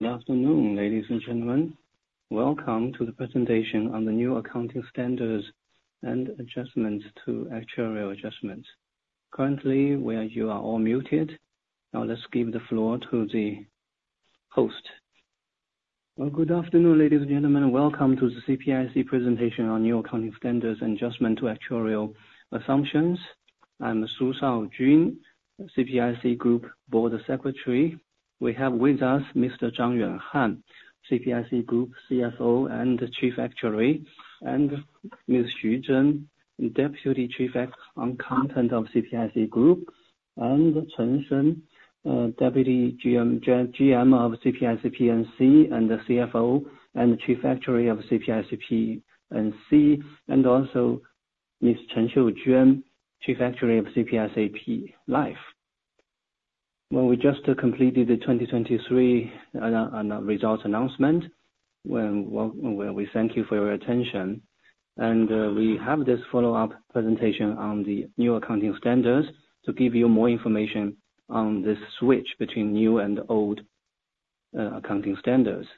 Good afternoon, ladies and gentlemen. Welcome to the presentation on the new accounting standards and adjustments to actuarial adjustments. Currently, where you are all muted. Now let's give the floor to the host. Well, good afternoon, ladies and gentlemen, and welcome to the CPIC presentation on new accounting standards and adjustment to actuarial assumptions. I'm Su Shaojun, CPIC Group Board Secretary. We have with us Mr. Zhang Yuanhan, CPIC Group CFO and Chief Actuary, and Ms. Xu Zhen, Deputy Chief Actuary of CPIC Group, and Chen Sen, Deputy GM, Gen GM of CPIC P/C, and the CFO and Chief Actuary of CPIC P/C, and also Ms. Chen Xiujuan, Chief Actuary of CPIC Life. Well, we just completed the 2023 annual results announcement, where we thank you for your attention. We have this follow-up presentation on the new accounting standards to give you more information on the switch between new and old accounting standards.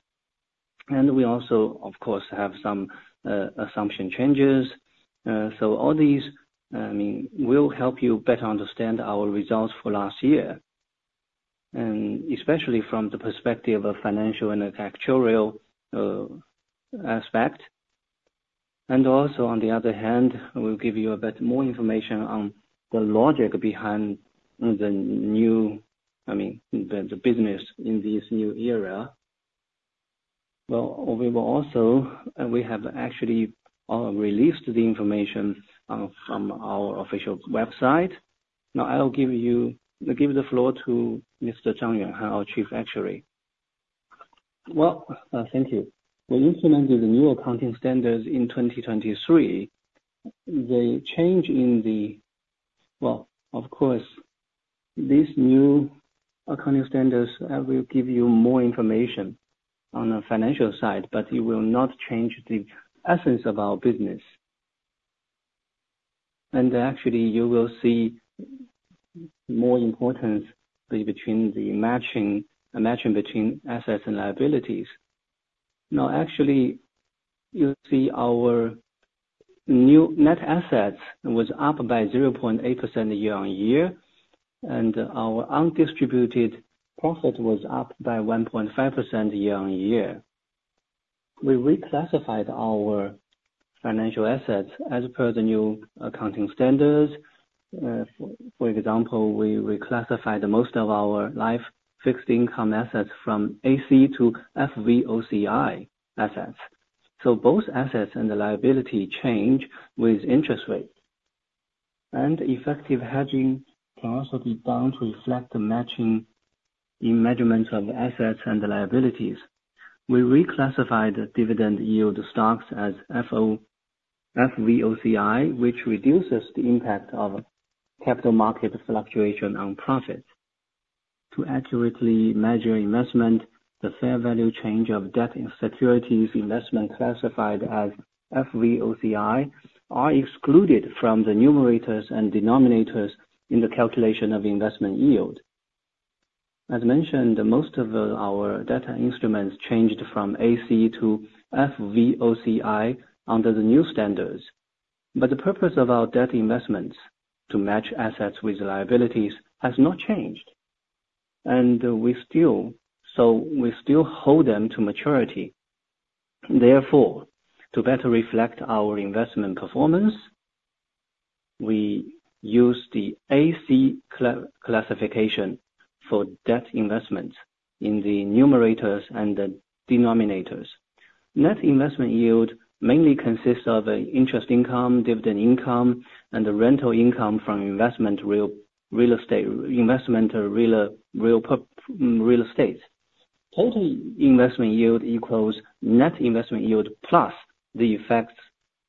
We also, of course, have some assumption changes. All these, I mean, will help you better understand our results for last year, and especially from the perspective of financial and actuarial aspect. On the other hand, we'll give you a bit more information on the logic behind the new, I mean, the, the business in this new era. Well, we will also, and we have actually released the information from our official website. Now, I'll give you, give the floor to Mr. Zhang Yuanhan, our Chief Actuary. Well, thank you. We implemented the new accounting standards in 2023. The change in the... Well, of course, these new accounting standards will give you more information on the financial side, but it will not change the essence of our business. And actually, you will see more importantly between the matching, the matching between assets and liabilities. Now, actually, you'll see our new net assets was up by 0.8% year-on-year, and our undistributed profit was up by 1.5% year-on-year. We reclassified our financial assets as per the new accounting standards. For example, we reclassified the most of our life fixed income assets from AC to FVOCI assets. So both assets and the liability change with interest rates. And effective hedging can also be done to reflect the matching in measurements of assets and liabilities. We reclassified dividend yield stocks as FVOCI, which reduces the impact of capital market fluctuation on profits. To accurately measure investment, the fair value change of debt and securities investment classified as FVOCI are excluded from the numerators and denominators in the calculation of investment yield. As mentioned, most of our debt instruments changed from AC to FVOCI under the new standards, but the purpose of our debt investments to match assets with liabilities has not changed. So we still hold them to maturity. Therefore, to better reflect our investment performance, we use the AC classification for debt investments in the numerators and the denominators. Net investment yield mainly consists of interest income, dividend income, and the rental income from investment real estate. Total investment yield equals net investment yield, plus the effects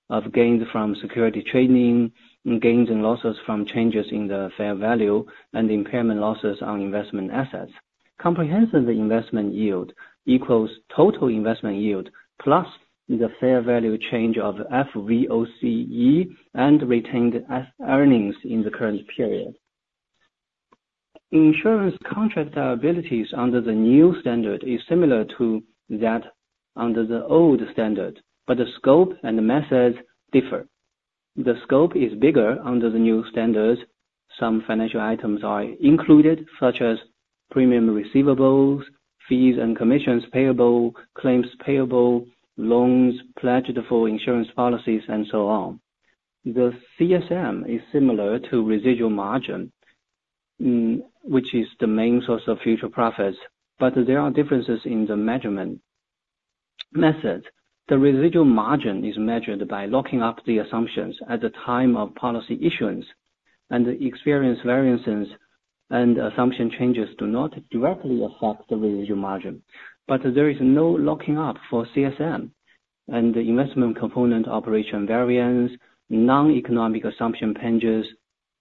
of gains from security trading, gains and losses from changes in the fair value, and impairment losses on investment assets. Comprehensive investment yield equals total investment yield, plus the fair value change of FVOCI and retained earnings in the current period. Insurance contract liabilities under the new standard is similar to that under the old standard, but the scope and the methods differ. The scope is bigger under the new standard. Some financial items are included, such as premium receivables, fees and commissions payable, claims payable, loans pledged for insurance policies, and so on. The CSM is similar to residual margin, which is the main source of future profits, but there are differences in the measurement method. The residual margin is measured by locking up the assumptions at the time of policy issuance, and the experience variances and assumption changes do not directly affect the residual margin. But there is no locking up for CSM, and the investment component operation variance, non-economic assumption changes,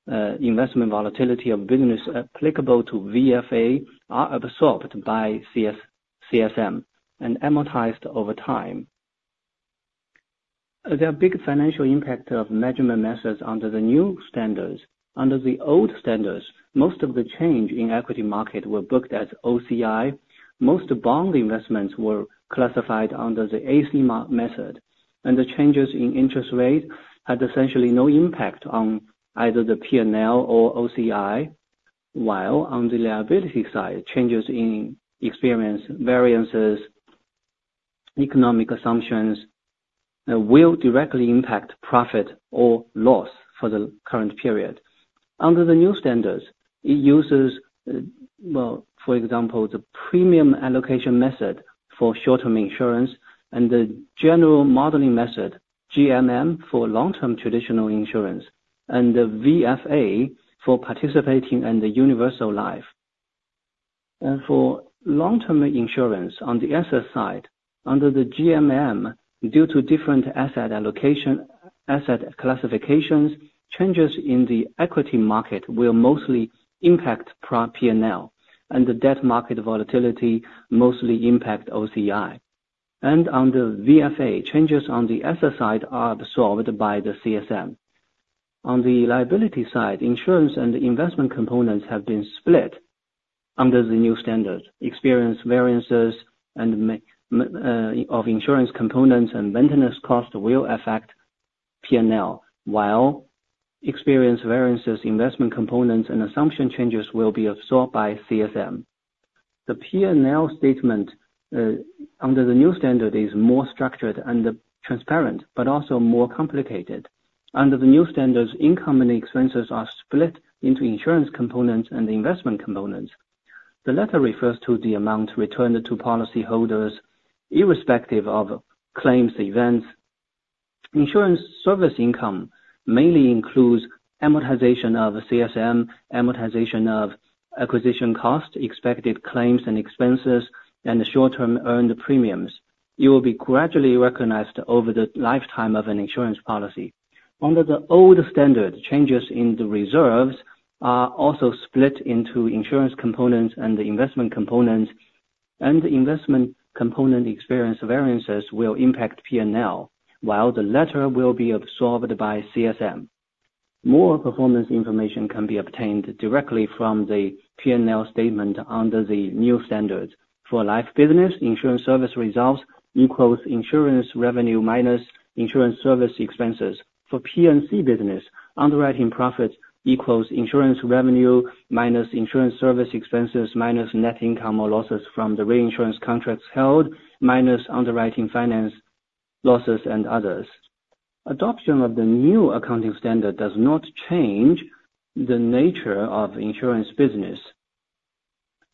investment volatility of business applicable to VFA are absorbed by CSM and amortized over time. There are big financial impact of measurement methods under the new standards. Under the old standards, most of the change in equity market were booked as OCI. Most bond investments were classified under the AC method, and the changes in interest rates had essentially no impact on either the P&L or OCI, while on the liability side, changes in experience variances, economic assumptions, will directly impact profit or loss for the current period. Under the new standards, it uses, well, for example, the premium allocation method for short-term insurance and the general measurement model, GMM, for long-term traditional insurance, and the VFA for participating in the universal life. For long-term insurance on the asset side, under the GMM, due to different asset allocation, asset classifications, changes in the equity market will mostly impact pro P&L, and the debt market volatility mostly impact OCI. Under VFA, changes on the asset side are absorbed by the CSM. On the liability side, insurance and investment components have been split under the new standard. Experience variances and of insurance components and maintenance costs will affect P&L, while experience variances, investment components, and assumption changes will be absorbed by CSM. The P&L statement under the new standard is more structured and transparent, but also more complicated. Under the new standards, income and expenses are split into insurance components and investment components. The latter refers to the amount returned to policyholders, irrespective of claims events. Insurance service income mainly includes amortization of CSM, amortization of acquisition costs, expected claims and expenses, and the short-term earned premiums. You will be gradually recognized over the lifetime of an insurance policy. Under the old standard, changes in the reserves are also split into insurance components and investment components, and investment component experience variances will impact P&L, while the latter will be absorbed by CSM. More performance information can be obtained directly from the P&L statement under the new standards. For life business, insurance service results equals insurance revenue minus insurance service expenses. For P&C business, underwriting profits equals insurance revenue minus insurance service expenses, minus net income or losses from the reinsurance contracts held, minus underwriting finance losses and others. Adoption of the new accounting standard does not change the nature of insurance business,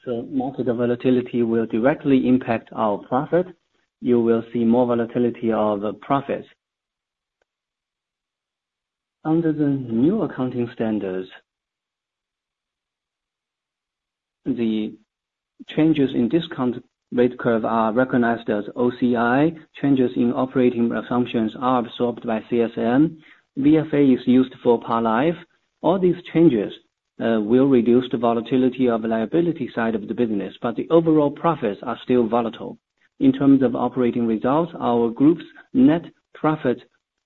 so most of the volatility will directly impact our profit. You will see more volatility of the profits. Under the new accounting standards, the changes in discount rate curve are recognized as OCI. Changes in operating assumptions are absorbed by CSM. VFA is used for par life. All these changes will reduce the volatility of the liability side of the business, but the overall profits are still volatile. In terms of operating results, our group's net profit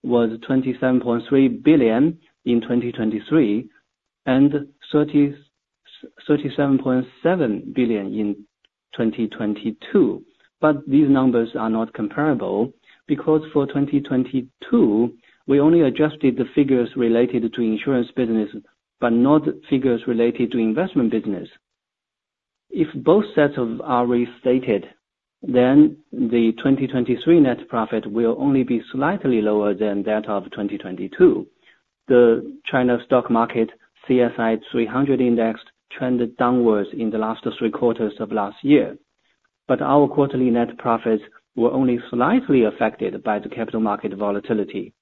was 27.3 billion in 2023 and 37.7 billion in 2022. But these numbers are not comparable, because for 2022, we only adjusted the figures related to insurance business, but not figures related to investment business. If both sets of are restated, then the 2023 net profit will only be slightly lower than that of 2022. The China stock market, CSI 300 Index, trended downwards in the last three quarters of last year, but our quarterly net profits were only slightly affected by the capital market volatility.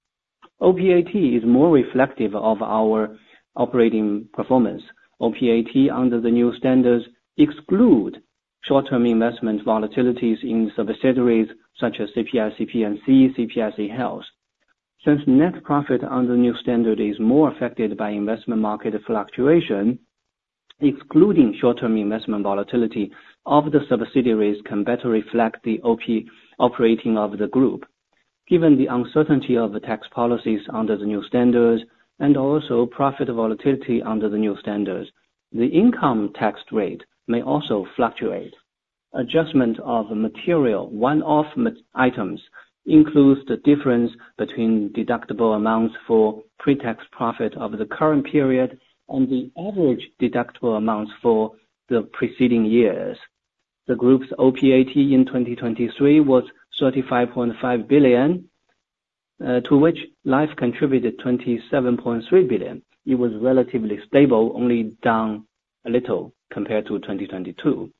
OPAT is more reflective of our operating performance. OPAT, under the new standards, exclude short-term investment volatilities in subsidiaries such as CPIC P/C, CPIC Health. Since net profit under the new standard is more affected by investment market fluctuation, excluding short-term investment volatility of the subsidiaries can better reflect the operating of the group. Given the uncertainty of the tax policies under the new standards, and also profit volatility under the new standards, the income tax rate may also fluctuate. Adjustment of material, one-off items, includes the difference between deductible amounts for pre-tax profit of the current period and the average deductible amounts for the preceding years. The group's OPAT in 2023 was 35.5 billion, to which life contributed 27.3 billion. It was relatively stable, only down a little compared to 2022.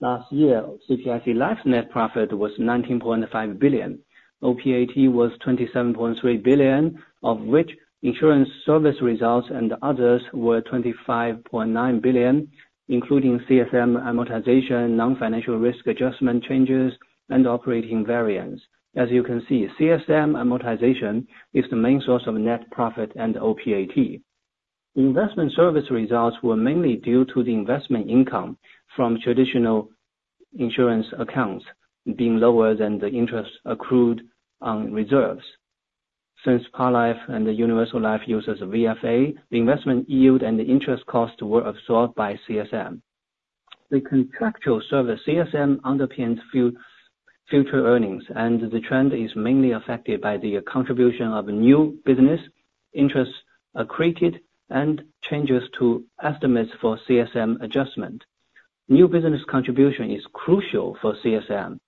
Last year, CPIC Life's net profit was 19.5 billion. OPAT was 27.3 billion, of which insurance service results and others were 25.9 billion, including CSM amortization, non-financial risk adjustment changes, and operating variance. As you can see, CSM amortization is the main source of net profit and OPAT. Investment service results were mainly due to the investment income from traditional insurance accounts being lower than the interest accrued on reserves. Since Par Life and the Universal Life uses VFA, the investment yield and the interest costs were absorbed by CSM. The contractual service, CSM underpins future earnings, and the trend is mainly affected by the contribution of new business, interests accreted, and changes to estimates for CSM adjustment. New business contribution is crucial for CSM.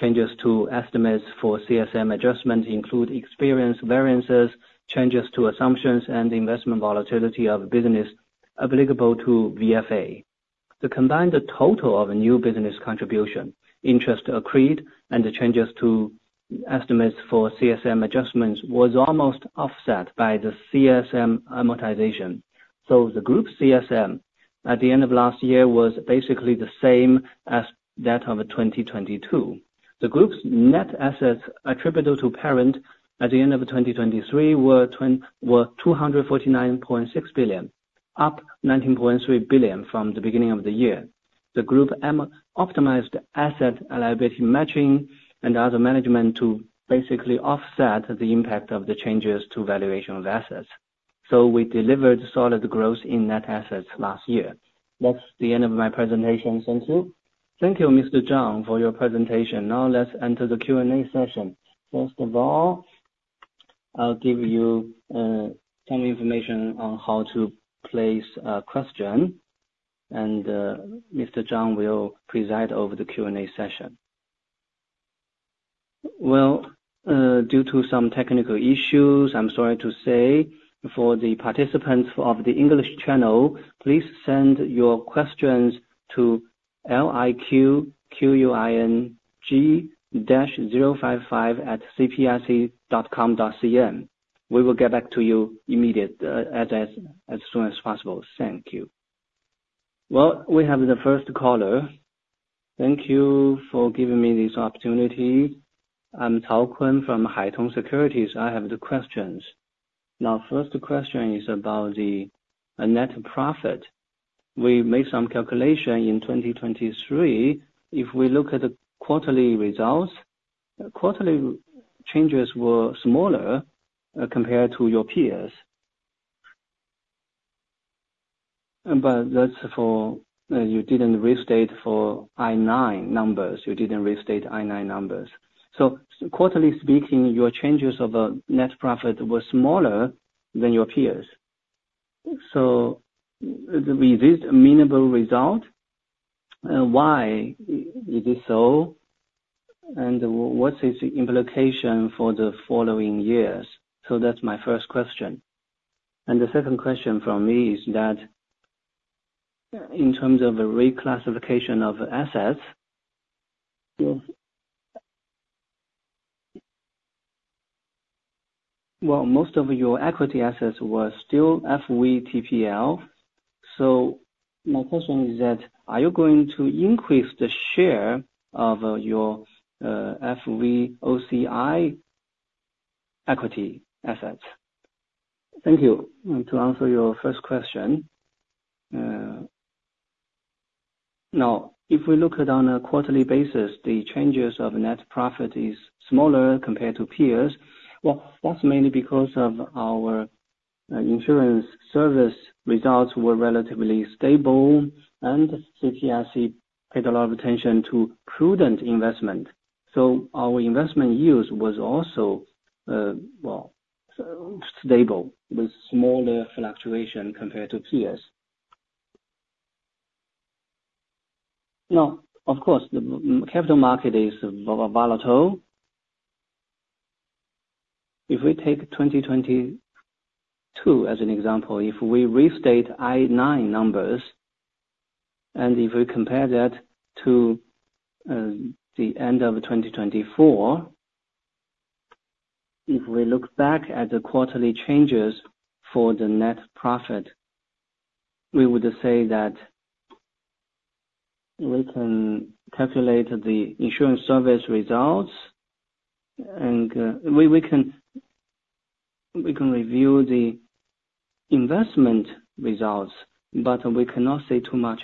Changes to estimates for CSM adjustments include experience variances, changes to assumptions, and investment volatility of business applicable to VFA. The combined total of new business contribution, interest accrued, and the changes to estimates for CSM adjustments, was almost offset by the CSM amortization. So the group CSM, at the end of last year, was basically the same as that of 2022. The group's net assets attributable to parent at the end of the 2023 were were 249.6 billion, up 19.3 billion from the beginning of the year. The group optimized asset liability matching and other management to basically offset the impact of the changes to valuation of assets. So we delivered solid growth in net assets last year. That's the end of my presentation. Thank you. Thank you, Mr. Zhang, for your presentation. Now, let's enter the Q&A session. First of all, I'll give you some information on how to place a question, and Mr. Zhang will preside over the Q&A session. Well, due to some technical issues, I'm sorry to say. For the participants of the English channel, please send your questions to liqquing-055@cpic.com.cn. We will get back to you immediately as soon as possible. Thank you. Well, we have the first caller. Thank you for giving me this opportunity. I'm [Tao Qin] from Haitong Securities. I have the questions. Now, first question is about the net profit. We made some calculation in 2023. If we look at the quarterly results, quarterly changes were smaller compared to your peers. But that's for you didn't restate for IFRS 9 numbers. You didn't restate IFRS 9 numbers. So quarterly speaking, your changes of net profit were smaller than your peers. So is this a meaningful result? And why is this so? And what's its implication for the following years? So that's my first question. And the second question from me is that, in terms of the reclassification of assets, well, most of your equity assets were still FVTPL. So my question is that, are you going to increase the share of your FVOCI equity assets? Thank you. To answer your first question, now, if we look at on a quarterly basis, the changes of net profit is smaller compared to peers. Well, that's mainly because of our, insurance service results were relatively stable, and CPIC paid a lot of attention to prudent investment. So our investment use was also, well, stable, with smaller fluctuation compared to peers. Now, of course, the capital market is volatile. If we take 2022 as an example, if we restate IFRS 9 numbers, and if we compare that to, the end of 2024, if we look back at the quarterly changes for the net profit, we would say that we can calculate the insurance service results, and, we, we can, we can review the investment results, but we cannot say too much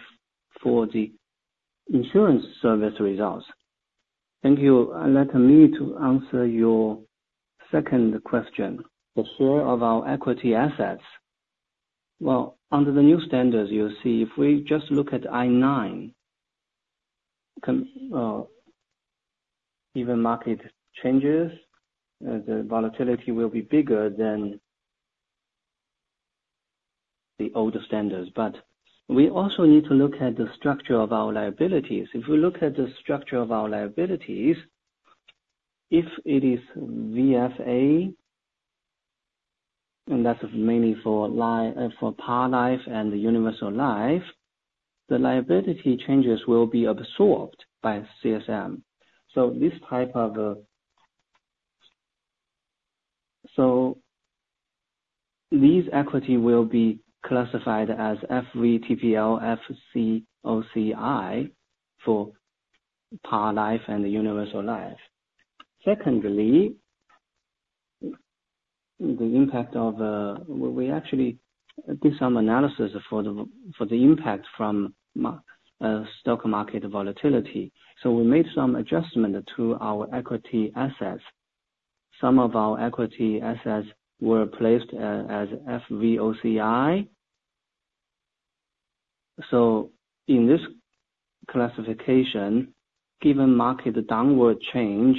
for the insurance service results. Thank you. Allow me to answer your second question. The share of our equity assets. Well, under the new standards, you'll see, if we just look at IFRS 9, even market changes, the volatility will be bigger than the older standards. But we also need to look at the structure of our liabilities. If we look at the structure of our liabilities, if it is VFA, and that's mainly for Par Life and the Universal Life, the liability changes will be absorbed by CSM. So this type of... So these equity will be classified as FVTPL, FVOCI, for Par Life and Universal Life.... Secondly, the impact of, we actually did some analysis for the, for the impact from stock market volatility. So we made some adjustment to our equity assets. Some of our equity assets were placed as FVOCI. So in this classification, given market downward change,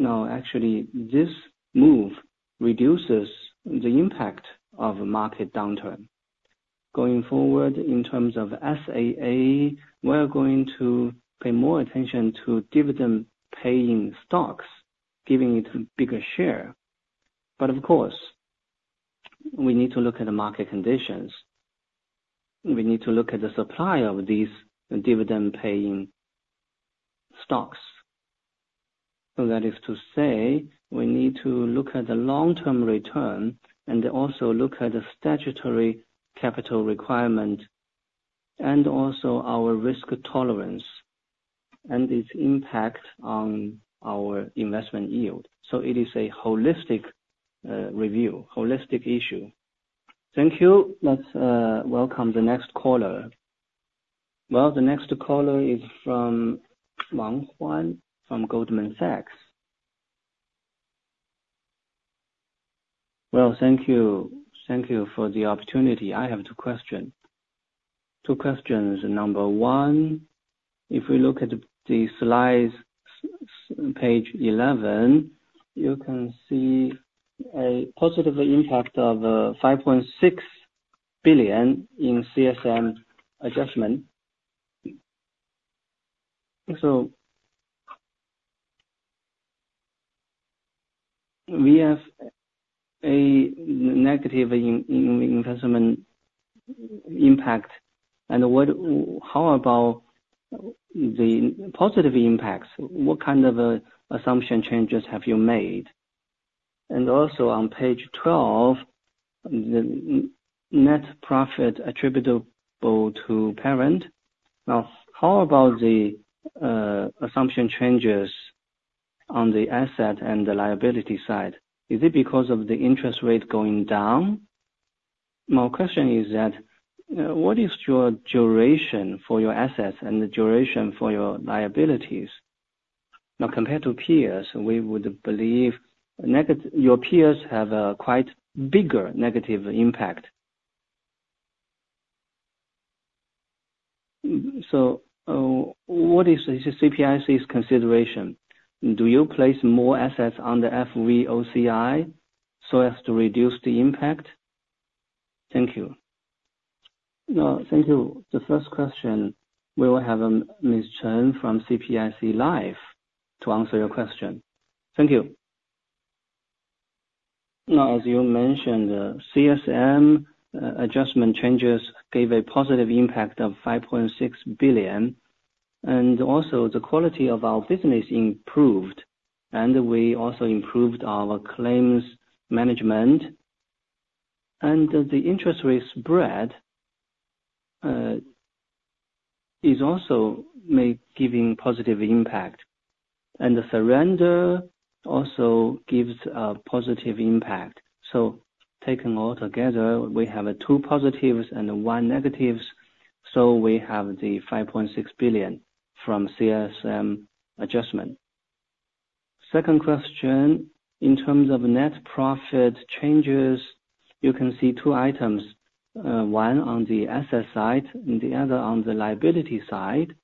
now, actually, this move reduces the impact of market downturn. Going forward, in terms of SAA, we are going to pay more attention to dividend-paying stocks, giving it a bigger share. But of course, we need to look at the market conditions. We need to look at the supply of these dividend-paying stocks. So that is to say, we need to look at the long-term return, and also look at the statutory capital requirement, and also our risk tolerance, and its impact on our investment yield. So it is a holistic review, holistic issue. Thank you. Let's welcome the next caller. Well, the next caller is from [Wang Huan], from Goldman Sachs. Well, thank you. Thank you for the opportunity. I have two questions. Number one, if we look at the slides, page 11, you can see a positive impact of 5.6 billion in CSM adjustment. So, we have a negative investment impact, and what, how about the positive impacts? What kind of assumption changes have you made? And also on page 12, the net profit attributable to parent. Now, how about the assumption changes on the asset and the liability side? Is it because of the interest rate going down? My question is that, what is your duration for your assets and the duration for your liabilities? Now, compared to peers, we would believe your peers have a quite bigger negative impact. So, what is CPIC's consideration? Do you place more assets on the FVOCI so as to reduce the impact? Thank you. No, thank you. The first question, we will have, Ms. Chen from CPIC Life to answer your question. Thank you. Now, as you mentioned, CSM adjustment changes gave a positive impact of 5.6 billion, and also the quality of our business improved, and we also improved our claims management, and the interest rate spread is also giving positive impact. And the surrender also gives a positive impact. So taking all together, we have two positives and one negatives, so we have the 5.6 billion from CSM adjustment. Second question, in terms of net profit changes, you can see two items, one on the asset side and the other on the liability side.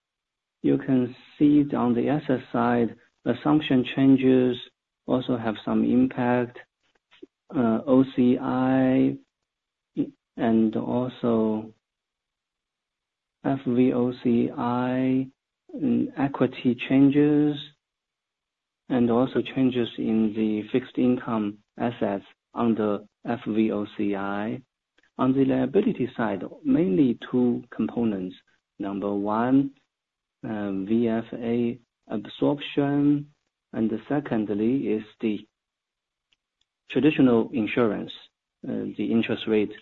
You can see it on the asset side, assumption changes also have some impact, OCI and also FVOCI, equity changes, and also changes in the fixed income assets on the FVOCI. On the liability side, mainly two components. Number one, VFA absorption, and secondly is the traditional insurance, the interest rate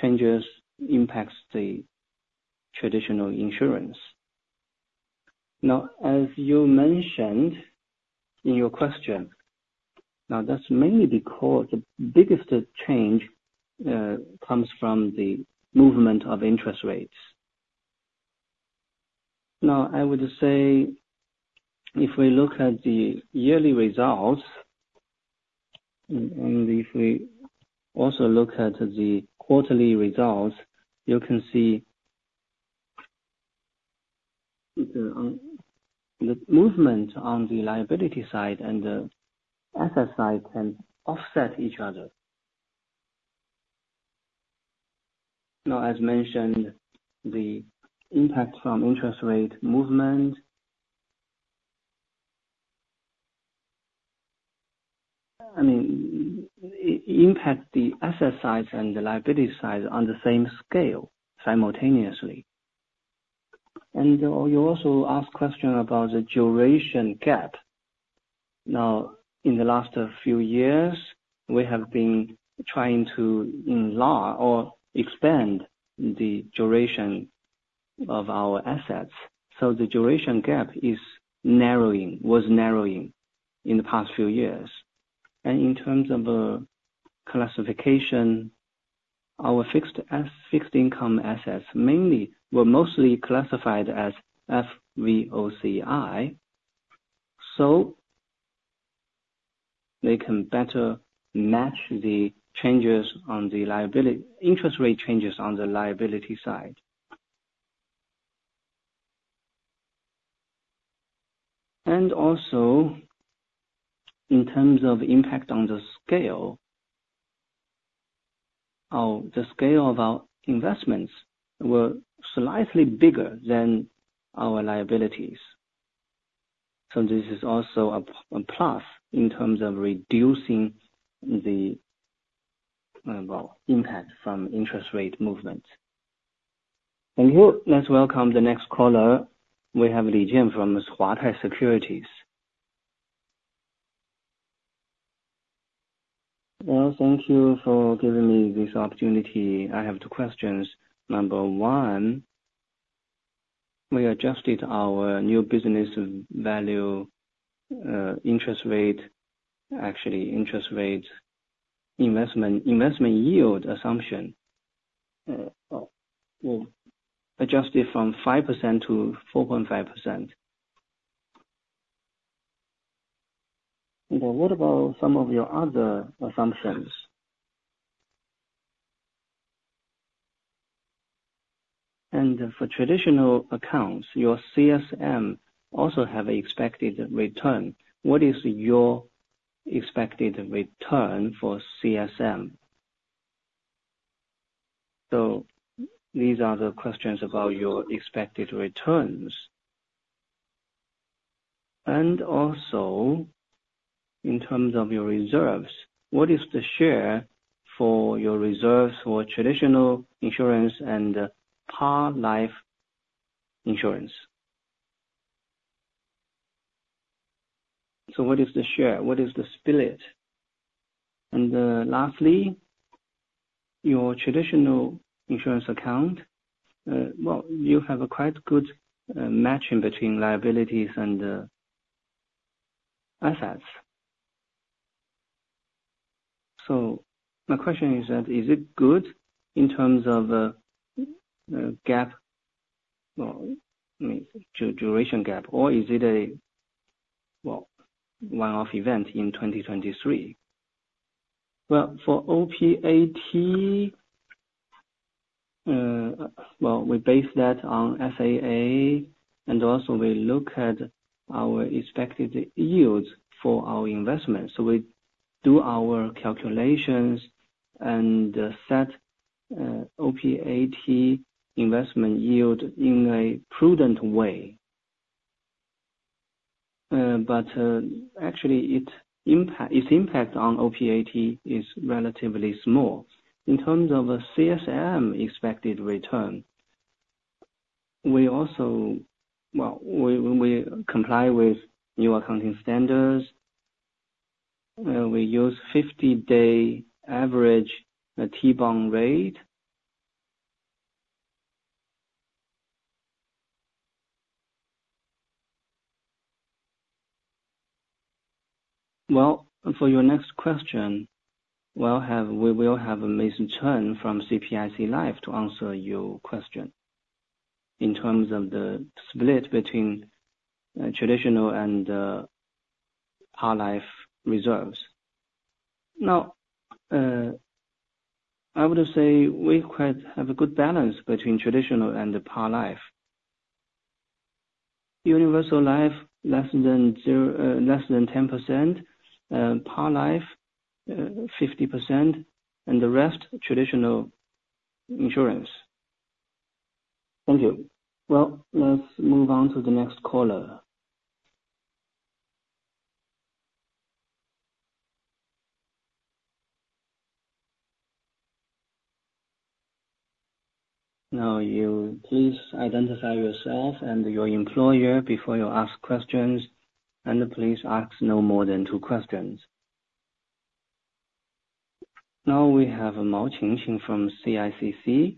changes impacts the traditional insurance. Now, as you mentioned in your question, now that's mainly because the biggest change comes from the movement of interest rates. Now, I would say, if we look at the yearly results, and if we also look at the quarterly results, you can see, the movement on the liability side and the asset side can offset each other. Now, as mentioned, the impact from interest rate movement... I mean, impact the asset side and the liability side on the same scale simultaneously. You also asked question about the duration gap. Now, in the last few years, we have been trying to enlarge or expand the duration gap of our assets. So the duration gap is narrowing, was narrowing in the past few years. And in terms of classification, our fixed income assets mainly were mostly classified as FVOCI, so they can better match the changes on the liability, interest rate changes on the liability side. And also, in terms of impact on the scale, our the scale of our investments were slightly bigger than our liabilities. So this is also a plus in terms of reducing the impact from interest rate movements. Thank you. Let's welcome the next caller. We have Li Jian from Huatai Securities. Well, thank you for giving me this opportunity. I have two questions. Number one, we adjusted our new business value, interest rate, actually interest rate, investment, investment yield assumption, well, adjusted from 5% to 4.5%. Well, what about some of your other assumptions? And for traditional accounts, your CSM also have expected return. What is your expected return for CSM? So these are the questions about your expected returns. And also, in terms of your reserves, what is the share for your reserves for traditional insurance and par life insurance? So what is the share? What is the split? And, lastly, your traditional insurance account, well, you have a quite good matching between liabilities and assets. So my question is that, is it good in terms of gap, well, I mean, duration gap, or is it a, well, one-off event in 2023? Well, for OPAT, well, we base that on SAA, and also we look at our expected yields for our investment. So we do our calculations and set OPAT investment yield in a prudent way. But actually, its impact on OPAT is relatively small. In terms of CSM expected return, we also well, we comply with new accounting standards, we use 50-day average T-bill rate. Well, for your next question, we'll have, we will have Ms. Chen from CPIC Life to answer your question in terms of the split between traditional and par life reserves. Now, I would say we quite have a good balance between traditional and the par life. Universal life, less than 10%, par life 50%, and the rest, traditional insurance. Thank you. Well, let's move on to the next caller. Now, you please identify yourself and your employer before you ask questions, and please ask no more than two questions. Now we have Mao Qingqing from CICC.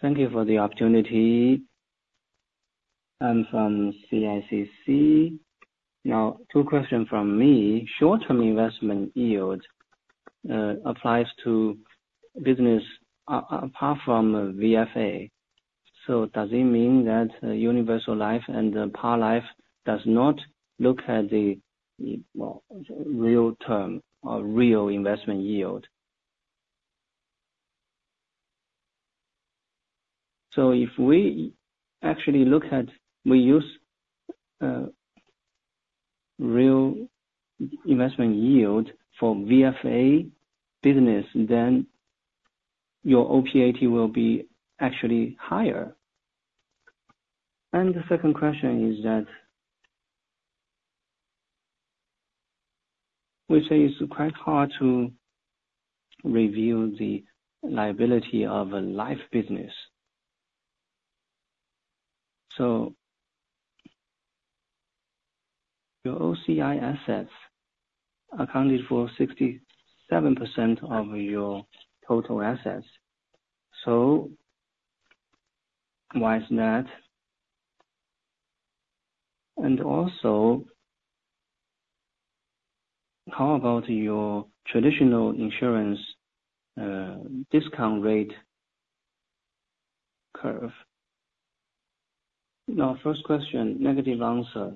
Thank you for the opportunity. I'm from CICC. Now, two questions from me. Short-term investment yield applies to business apart from VFA. So does it mean that Universal Life and the Par Life does not look at the, well, real term or real investment yield? So if we actually look at, we use real investment yield for VFA business, then your OPAT will be actually higher. And the second question is that, we say it's quite hard to review the liability of a life business. So, your OCI assets accounted for 67% of your total assets. So, why is that? And also, how about your traditional insurance discount rate curve? Now, first question, negative answer.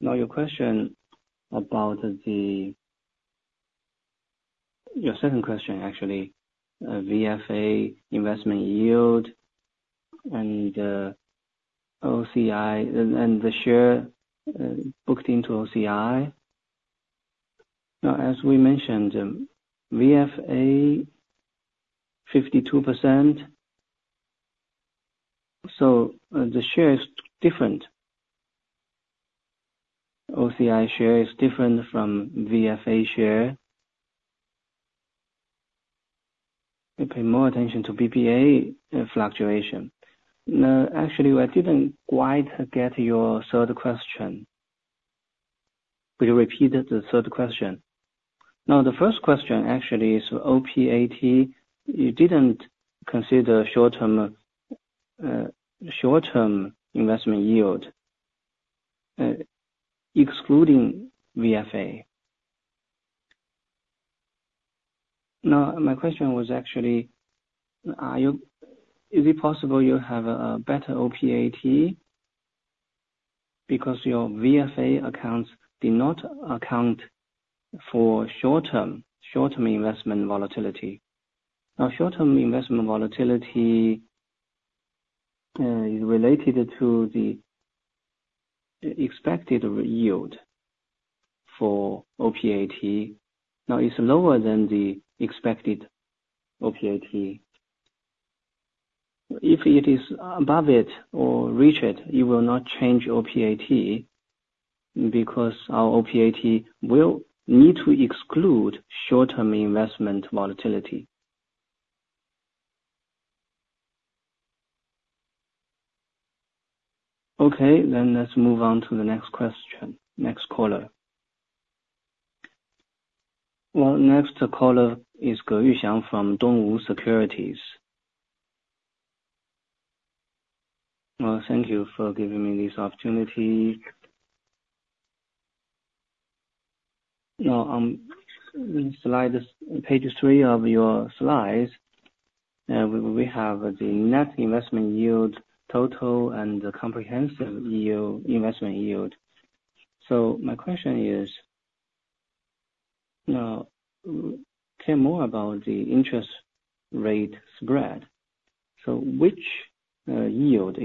Now, your question about the—your second question, actually, VFA investment yield and, OCI, and the share booked into OCI. Now, as we mentioned, VFA 52%, so, the share is different. OCI share is different from VFA share. We pay more attention to BPA fluctuation. Now, actually, I didn't quite get your third question. Will you repeat it, the third question? Now, the first question actually is OPAT. You didn't consider short-term short-term investment yield excluding VFA. Now, my question was actually, are you—is it possible you have a better OPAT because your VFA accounts did not account for short-term short-term investment volatility? Now, short-term investment volatility is related to the expected yield for OPAT. Now, it's lower than the expected OPAT. If it is above it or reach it, it will not change OPAT, because our OPAT will need to exclude short-term investment volatility. Okay, then let's move on to the next question. Next caller. Well, next caller is [Gaxiong] from Dongwu Securities. Thank you for giving me this opportunity. Now, on slide, page three of your slides, we have the net investment yield total and the comprehensive yield, investment yield. So my question is, now, tell more about the interest rate spread. So which yield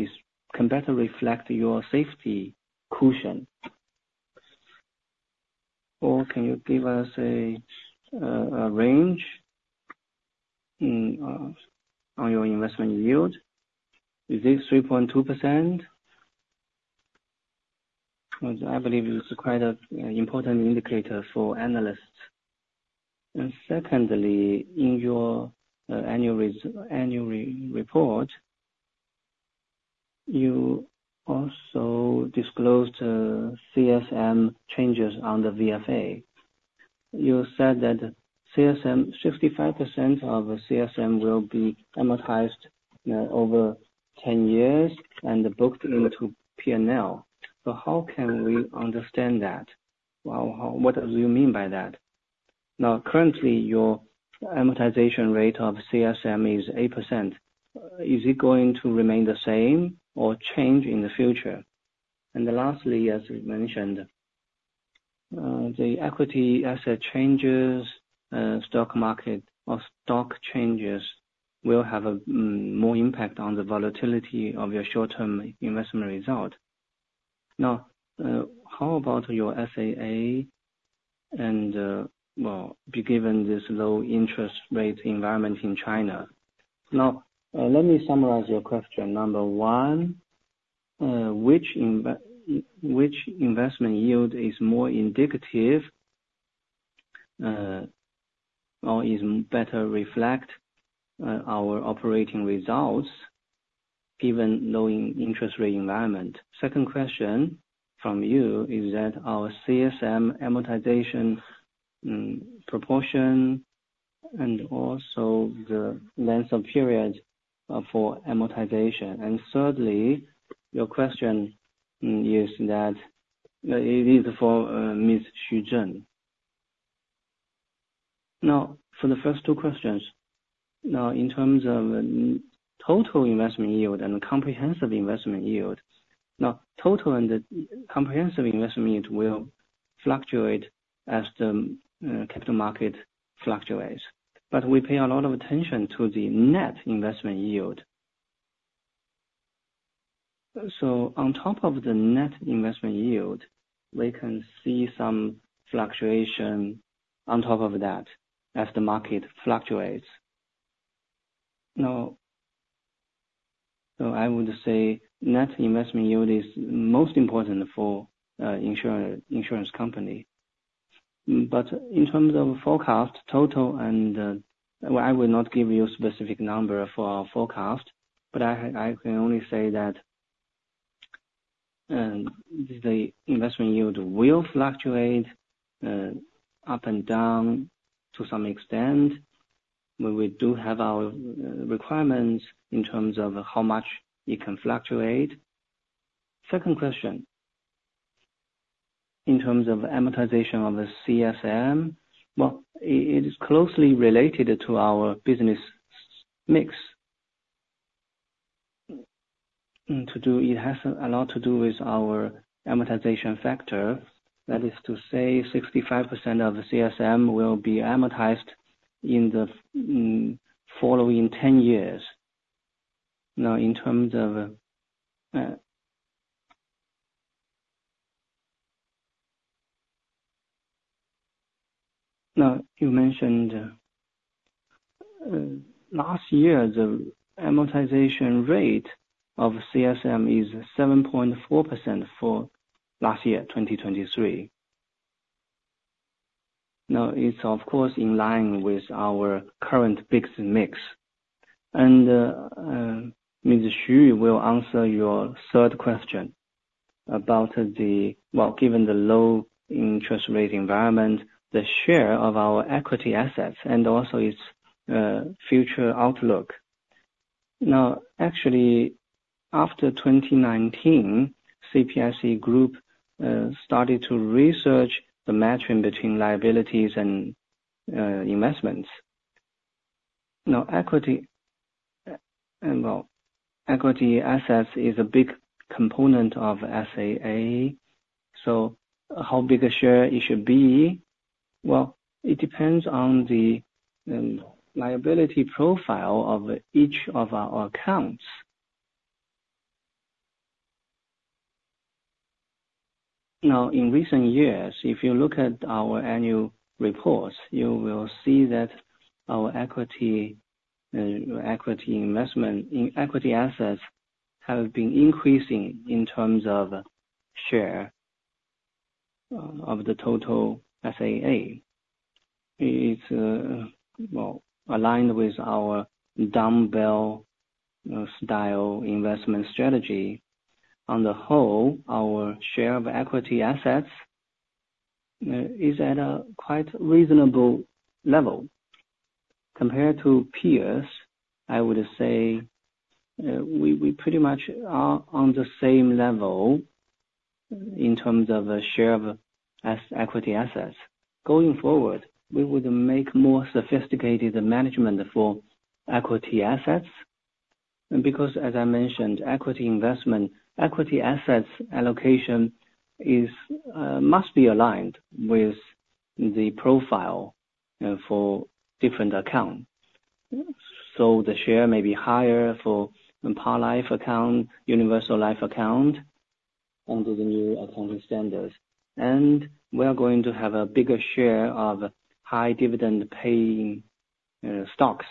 can better reflect your safety cushion? Or can you give us a range on your investment yield? Is it 3.2%? Which I believe is quite an important indicator for analysts. And secondly, in your annual report, you also disclosed CSM changes on the VFA. You said that CSM, 65% of CSM will be amortized over 10 years and booked into P&L. So how can we understand that? Well, how what do you mean by that? Now, currently, your amortization rate of CSM is 8%. Is it going to remain the same or change in the future? And then lastly, as you mentioned, the equity asset changes, stock market or stock changes will have a more impact on the volatility of your short-term investment result. Now, how about your SAA and, well, be given this low interest rate environment in China? Now, let me summarize your question. Number one, which investment yield is more indicative or is better reflect our operating results given low interest rate environment? Second question from you is that our CSM amortization, proportion, and also the length of period for amortization. And thirdly, your question is that it is for Ms. Xu Zhen. Now, for the first two questions, now, in terms of total investment yield and comprehensive investment yield, now, total and the comprehensive investment yield will fluctuate as the capital market fluctuates. But we pay a lot of attention to the net investment yield. So on top of the net investment yield, we can see some fluctuation on top of that as the market fluctuates. Now, so I would say net investment yield is most important for insurance company. But in terms of forecast, total and, well, I will not give you a specific number for our forecast, but I, I can only say that, the investment yield will fluctuate, up and down to some extent, but we do have our, requirements in terms of how much it can fluctuate. Second question, in terms of amortization of the CSM, well, it is closely related to our business mix. It has a lot to do with our amortization factor. That is to say, 65% of the CSM will be amortized in the following 10 years. Now, in terms of... Now, you mentioned, last year, the amortization rate of CSM is 7.4% for last year, 2023. Now, it's of course in line with our current fixed mix. And Ms. Xu will answer your third question about the low interest rate environment, the share of our equity assets and also its future outlook. Now, actually, after 2019, CPIC Group started to research the matching between liabilities and investments. Now, equity, well, equity assets is a big component of SAA, so how big a share it should be? Well, it depends on the liability profile of each of our accounts. Now, in recent years, if you look at our annual reports, you will see that our equity equity investment in equity assets have been increasing in terms of share of the total SAA. It's well aligned with our dumbbell style investment strategy. On the whole, our share of equity assets is at a quite reasonable level. Compared to peers, I would say, we pretty much are on the same level in terms of share of equity assets. Going forward, we would make more sophisticated management for equity assets, and because, as I mentioned, equity investment, equity assets allocation is must be aligned with the profile for different account. So the share may be higher for whole life account, universal life account under the new accounting standards. And we are going to have a bigger share of high dividend paying stocks.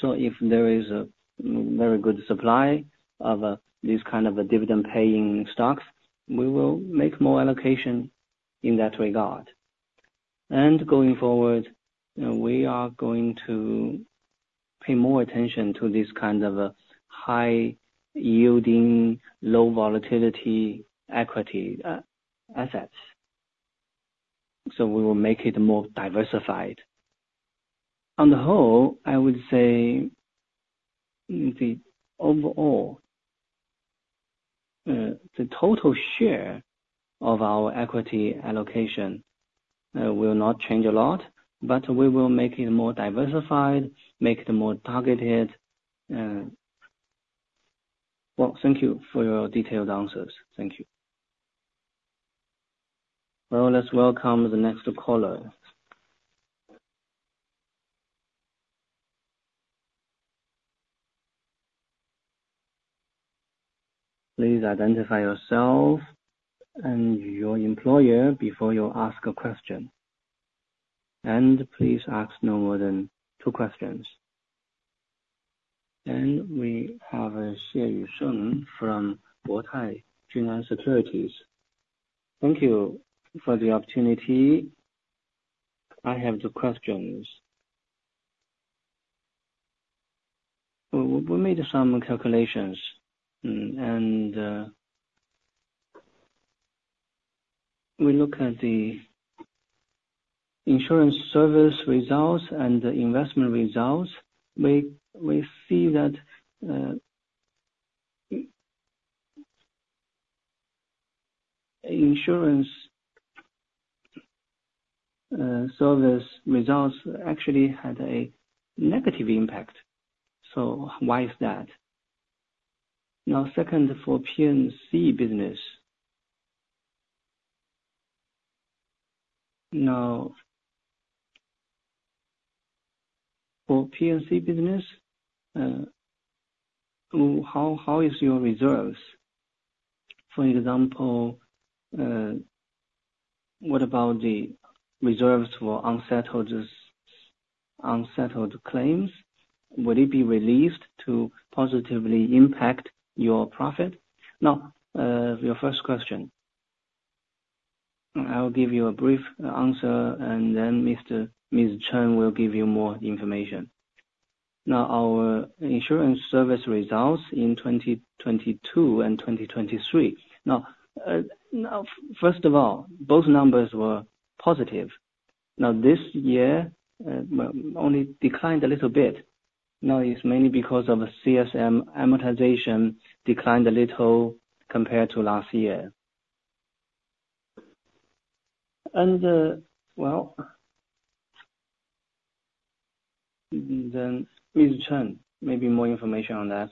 So if there is a very good supply of this kind of a dividend paying stocks, we will make more allocation in that regard. And going forward, we are going to pay more attention to this kind of a high yielding, low volatility equity assets. So we will make it more diversified. On the whole, I would say, the overall, the total share of our equity allocation, will not change a lot, but we will make it more diversified, make it more targeted. Well, thank you for your detailed answers. Thank you. Well, let's welcome the next caller. Please identify yourself and your employer before you ask a question. And please ask no more than two questions. Then we have, Xie Yicheng from Guotai Junan Securities. Thank you for the opportunity. I have two questions. We made some calculations, and, we look at the insurance service results and the investment results. We, we see that, insurance, so those results actually had a negative impact. So why is that? Now, second, for P&C business. Now, for P&C business, how, how is your reserves? For example, what about the reserves for unsettled just-... unsettled claims, will it be released to positively impact your profit? Now, your first question. I'll give you a brief answer, and then Ms. Chen will give you more information. Now, our insurance service results in 2022 and 2023. Now, first of all, both numbers were positive. Now, this year, well, only declined a little bit. Now, it's mainly because of a CSM amortization declined a little compared to last year. Well, then Ms. Chen, maybe more information on that.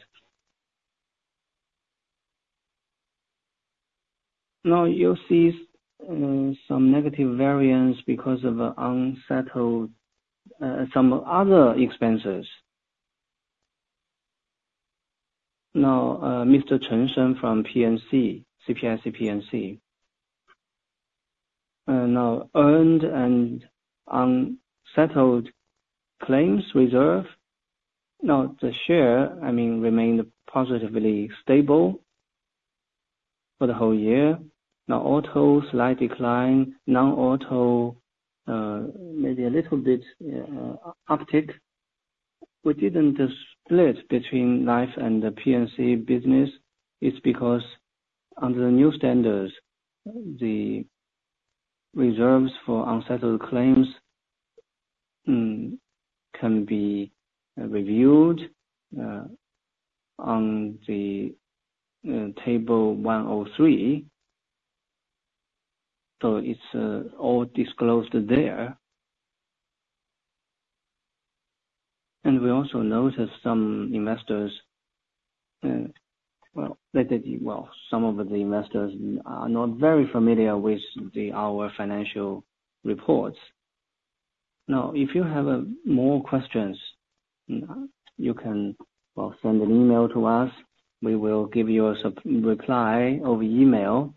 Now, you'll see some negative variance because of unsettled some other expenses. Now, Mr. Chen Sen from CPIC P/C. Now, earned and unsettled claims reserve, now, the share, I mean, remained positively stable for the whole year. Now, auto, slight decline. Non-auto, maybe a little bit uptick. We didn't split between Life and the P/C business. It's because under the new standards, the reserves for unsettled claims can be reviewed on the table 103. So it's all disclosed there. And we also noticed some investors, some of the investors are not very familiar with our financial reports. Now, if you have more questions, you can send an email to us. We will give you a reply over email,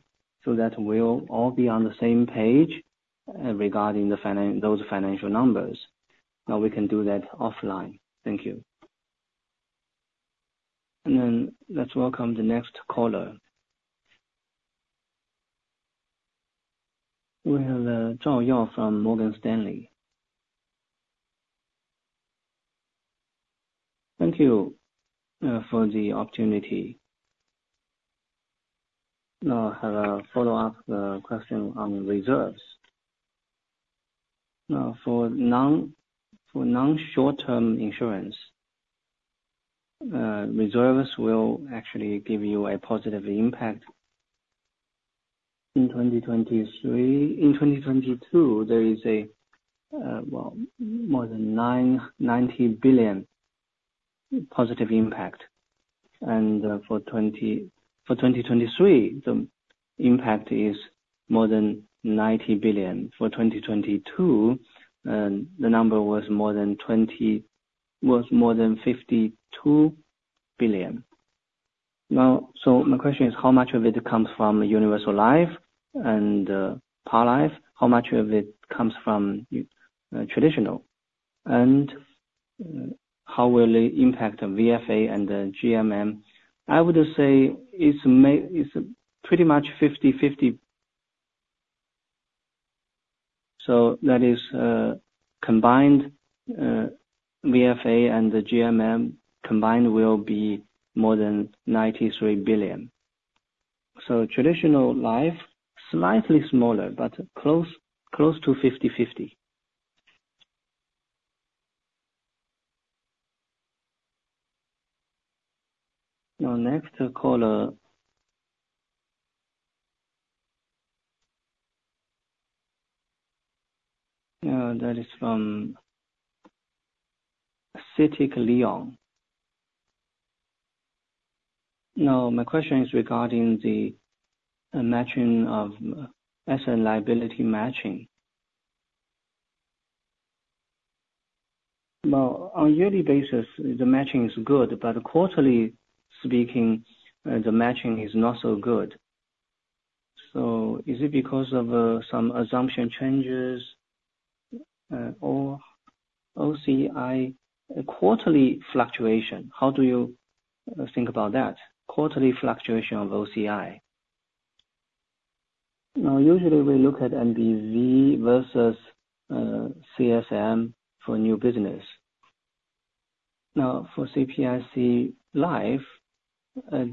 so that we'll all be on the same page regarding those financial numbers. Now, we can do that offline. Thank you. And then let's welcome the next caller. We have [Joe Yao] from Morgan Stanley. Thank you for the opportunity. Now, I have a follow-up question on reserves. Now, for non-short-term insurance, reserves will actually give you a positive impact in 2023. In 2022, there is a, well, more than 90 billion positive impact. And, for 2023, the impact is more than 90 billion. For 2022, the number was more than 52 billion. Now, so my question is, how much of it comes from Universal Life and Par Life? How much of it comes from traditional? And how will it impact the VFA and the GMM? I would say it's pretty much 50/50. So that is, combined, VFA and the GMM combined will be more than 93 billion. So traditional Life, slightly smaller, but close to 50/50. Now, next caller... that is from CITIC Luoyang. Now, my question is regarding the matching of asset-liability matching. Now, on a yearly basis, the matching is good, but quarterly speaking, the matching is not so good. So is it because of some assumption changes or OCI quarterly fluctuation? How do you think about that, quarterly fluctuation of OCI? Now, usually we look at NBV versus CSM for new business. Now, for CPIC Life,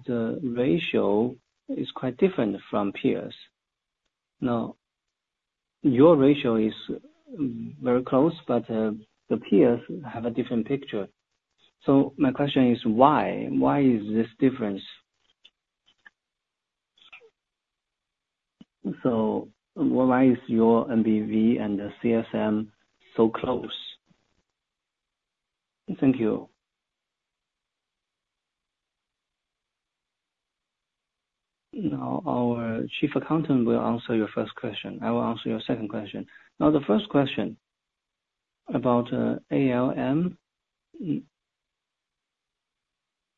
the ratio is quite different from peers. Now, your ratio is very close, but the peers have a different picture. So my question is, why? Why is this difference? So why is your NBV and the CSM so close? Thank you. Now, our Chief Accountant will answer your first question. I will answer your second question. Now, the first question about ALM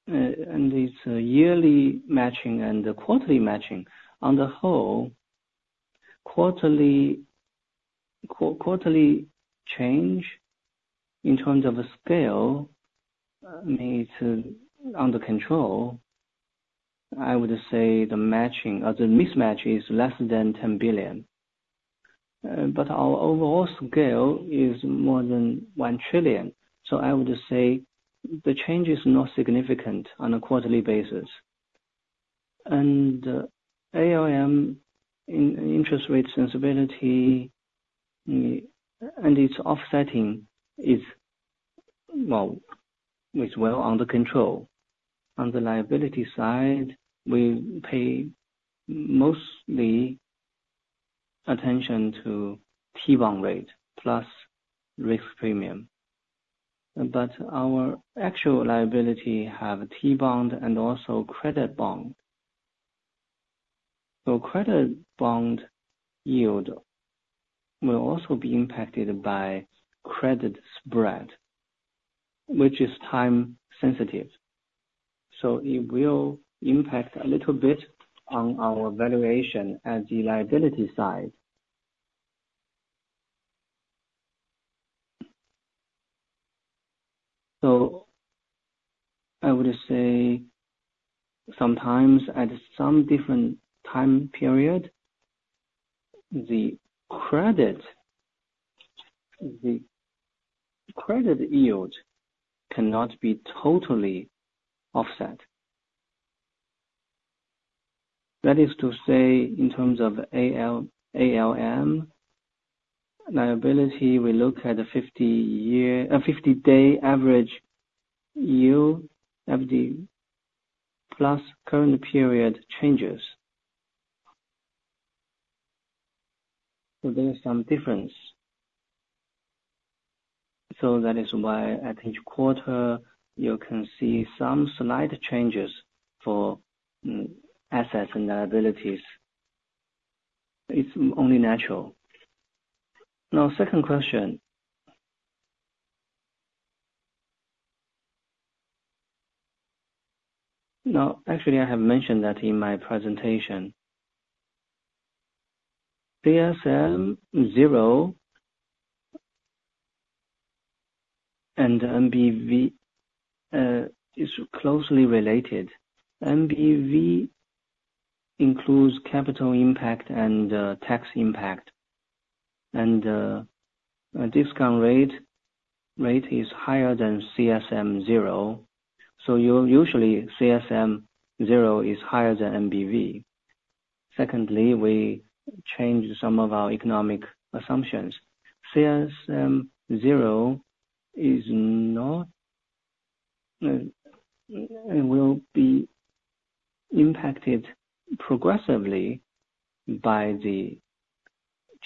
and it's a yearly matching and a quarterly matching. On the whole, quarterly change, in terms of the scale, needs under control. I would say the matching or the mismatch is less than 10 billion. But our overall scale is more than 1 trillion, so I would say the change is not significant on a quarterly basis. ALM in interest rate sensitivity, and it's offsetting, is well under control. On the liability side, we pay mostly attention to T-bond rate, plus risk premium. But our actual liability have T-bond and also credit bond. So credit bond yield will also be impacted by credit spread, which is time sensitive, so it will impact a little bit on our valuation at the liability side. So I would say, sometimes at some different time period, the credit yield cannot be totally offset. That is to say, in terms of ALM liability, we look at the 50-day average yield of the 10-year plus current period changes. So there is some difference. So that is why, at each quarter, you can see some slight changes for assets and liabilities. It's only natural. Now, second question. Now, actually, I have mentioned that in my presentation. CSM zero and NBV is closely related. NBV includes capital impact and tax impact, and a discount rate is higher than CSM zero, so usually, CSM zero is higher than NBV. Secondly, we change some of our economic assumptions. CSM zero is not will be impacted progressively by the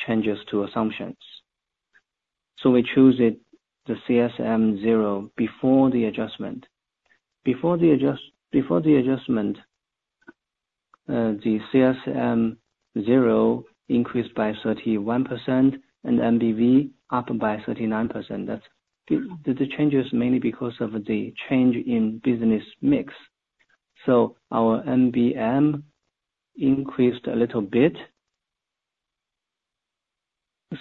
changes to assumptions. So we choose it, the CSM zero, before the adjustment. Before the adjustment, the CSM zero increased by 31% and NBV up by 39%. That's the change is mainly because of the change in business mix. So our MBM increased a little bit.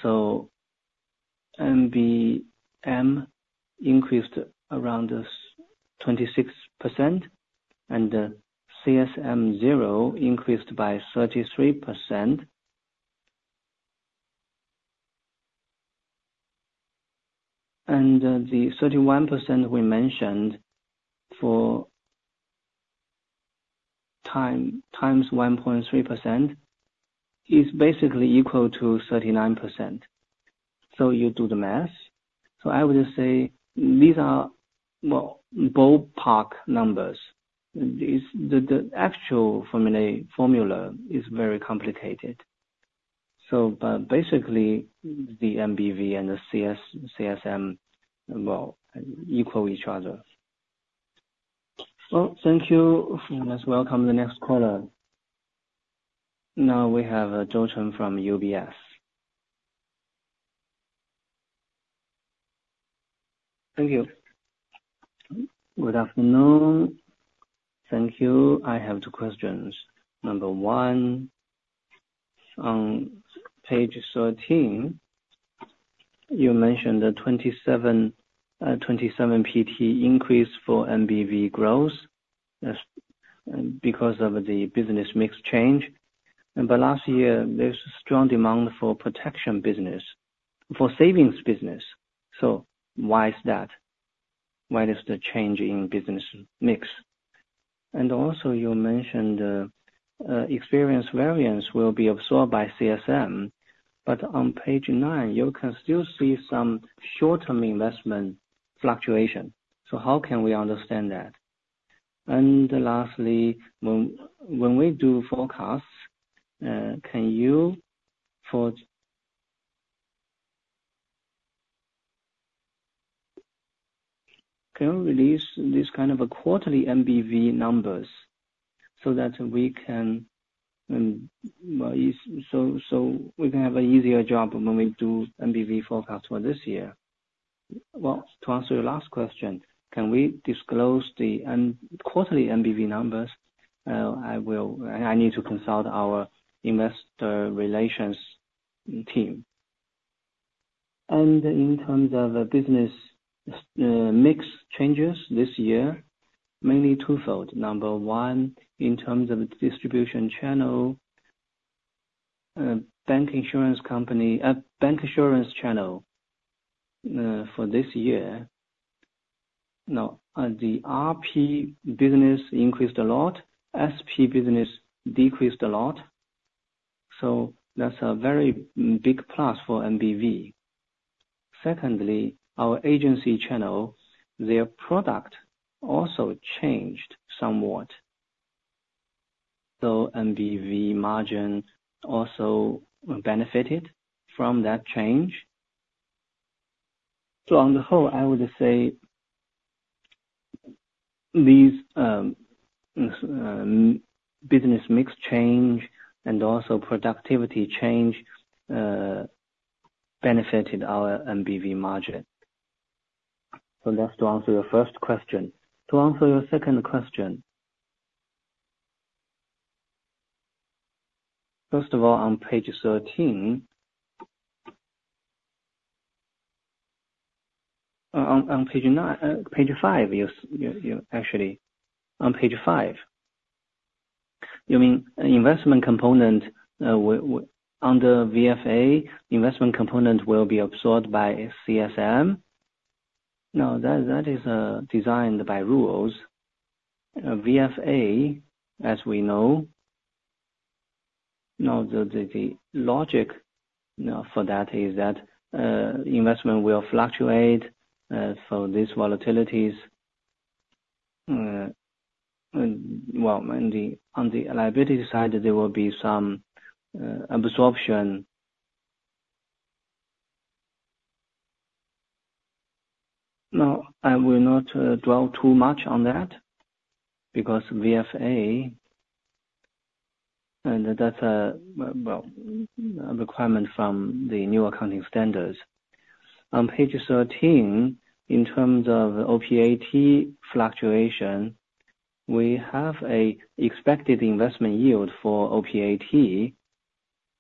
So MBM increased around 26%, and CSM zero increased by 33%. And the 31% we mentioned for times 1.3% is basically equal to 39%. So you do the math. So I would say, these are well ballpark numbers. The actual formula is very complicated. So but basically, the NBV and the CSM well equal each other. Well, thank you. Let's welcome the next caller. Now we have [Zhou Chen]from UBS. Thank you. Good afternoon. Thank you. I have two questions. Number one, on page 13, you mentioned that 27 PT increase for NBV growth because of the business mix change. But last year, there's strong demand for protection business, for savings business. So why is that? Why is the change in business mix? And also, you mentioned experience variance will be absorbed by CSM, but on page nine, you can still see some short-term investment fluctuation. So how can we understand that? And lastly, when we do forecasts, can you release this kind of quarterly NBV numbers?... so that we can have an easier job when we do NBV forecast for this year. Well, to answer your last question, can we disclose the quarterly NBV numbers? I need to consult our investor relations team. In terms of the business mix changes this year, mainly twofold. Number one, in terms of distribution channel, bank insurance channel, for this year. Now, the RP business increased a lot, SP business decreased a lot, so that's a very big plus for NBV. Secondly, our agency channel, their product also changed somewhat, so NBV margin also benefited from that change. So on the whole, I would say, these business mix change and also productivity change, benefited our NBV margin. So that's to answer your first question. To answer your second question, first of all, on page thirteen. On page nine, page five, actually, on page five. You mean, investment component under VFA, investment component will be absorbed by CSM? Now, that is designed by rules. VFA, as we know, now, the logic, you know, for that is that investment will fluctuate, so these volatilities, well, on the liability side, there will be some absorption. No, I will not dwell too much on that, because VFA, and that's a well, a requirement from the new accounting standards. On page 13, in terms of OPAT fluctuation, we have a expected investment yield for OPAT,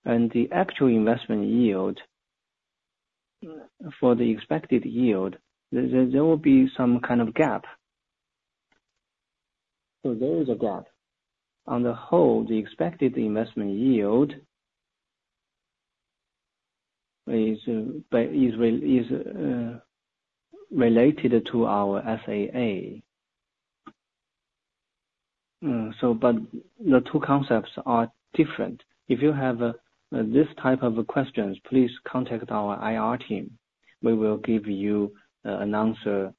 and the actual investment yield, for the expected yield, there will be some kind of gap. So there is a gap. On the whole, the expected investment yield is related to our SAA. So, but the two concepts are different. If you have this type of questions, please contact our IR team. We will give you an answer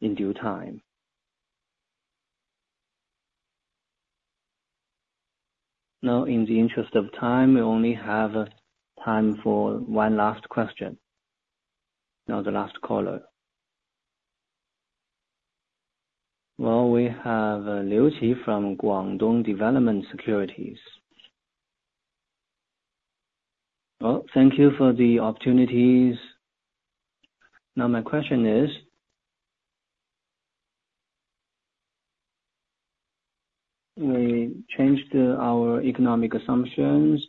in due time. Now, in the interest of time, we only have time for one last question. Now, the last caller. Well, we have Liu Qi from Guangdong Development Securities. Well, thank you for the opportunities. Now, my question is, we changed our economic assumptions,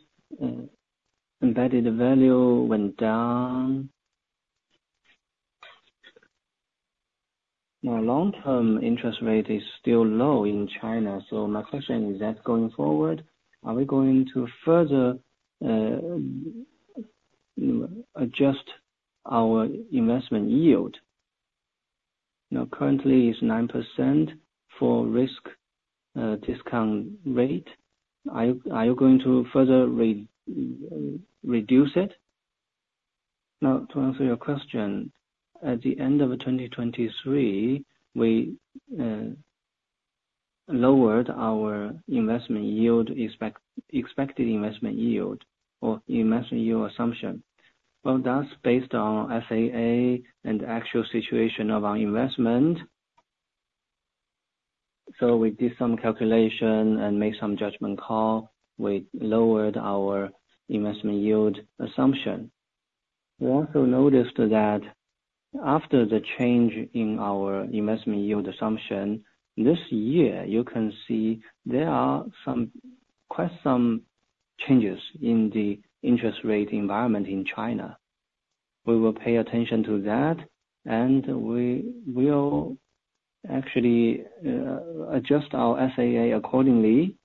embedded value went down. Now, long-term interest rate is still low in China, so my question is that going forward, are we going to further adjust our investment yield? Now, currently it's 9% for risk discount rate. Are you going to further reduce it? Now, to answer your question, at the end of 2023, we lowered our investment yield, expected investment yield, or investment yield assumption. Well, that's based on our SAA and actual situation of our investment. So we did some calculation and made some judgment call. We lowered our investment yield assumption. We also noticed that after the change in our investment yield assumption, this year, you can see there are some, quite some changes in the interest rate environment in China. We will pay attention to that, and we will actually adjust our SAA accordingly.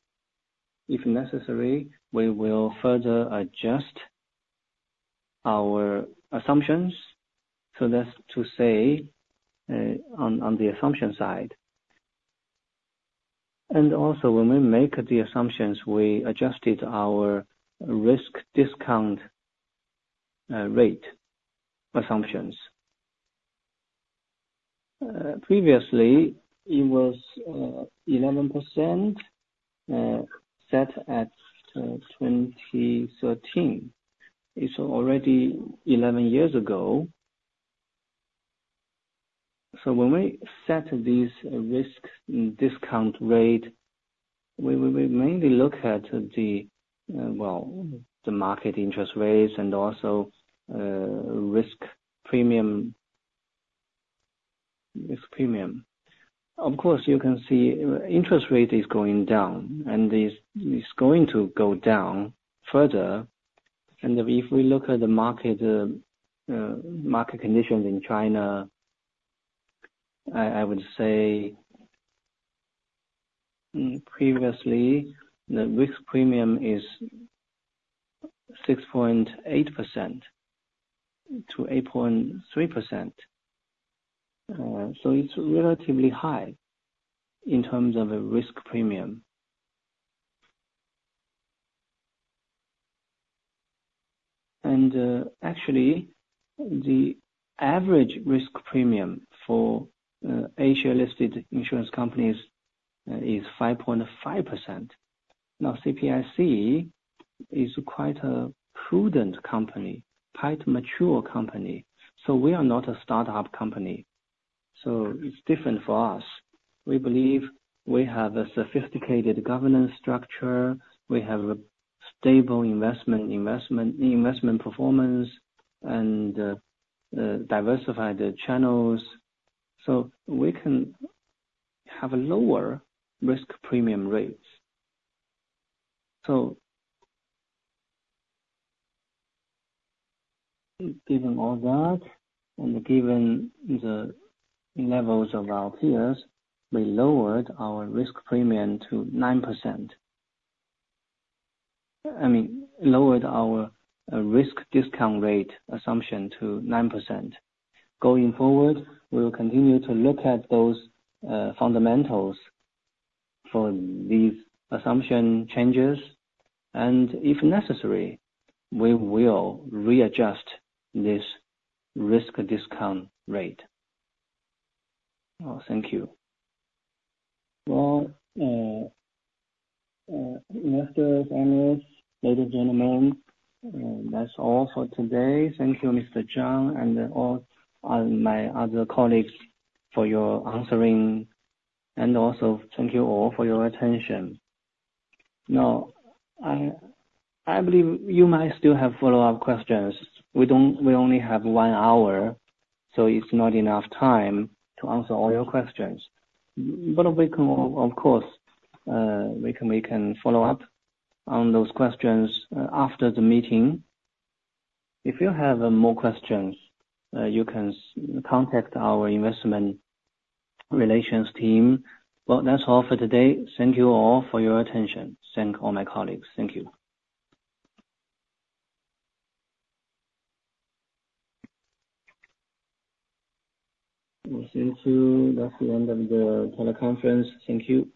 If necessary, we will further adjust our assumptions, so that's to say, on the assumption side. And also, when we make the assumptions, we adjusted our risk discount rate assumptions. Previously, it was 11%, set at 2013. It's already 11 years ago. So when we set these risk discount rate, we mainly look at the well, the market interest rates and also risk premium, risk premium. Of course, you can see interest rate is going down, and is going to go down further. And if we look at the market conditions in China, I would say, previously, the risk premium is 6.8%-8.3%. So it's relatively high in terms of a risk premium. And actually, the average risk premium for Asia-listed insurance companies is 5.5%. Now, CPIC is quite a prudent company, quite mature company, so we are not a startup company. So it's different for us. We believe we have a sophisticated governance structure, we have a stable investment performance, and diversified channels, so we can have lower risk premium rates. So given all that, and given the levels of our peers, we lowered our risk premium to 9%. I mean, lowered our risk discount rate assumption to 9%. Going forward, we will continue to look at those, fundamentals for these assumption changes, and if necessary, we will readjust this risk discount rate. Thank you. Well, investors, analysts, ladies and gentlemen, that's all for today. Thank you, Mr. Zhang, and all, my other colleagues for your answering, and also thank you all for your attention. Now, I believe you might still have follow-up questions. We only have one hour, so it's not enough time to answer all your questions. But we can, of course, we can follow up on those questions, after the meeting. If you have more questions, you can contact our investment relations team. Well, that's all for today. Thank you all for your attention. Thank all my colleagues. Thank you. Thank you. That's the end of the teleconference. Thank you.